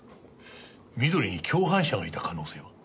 美登里が共犯者がいた可能性は？